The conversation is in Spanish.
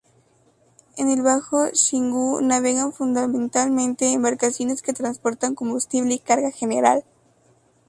En el bajo Xingú navegan fundamentalmente embarcaciones que transportan combustible y carga general.